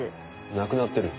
亡くなってる？